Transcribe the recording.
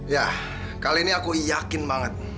ya kali ini aku yakin banget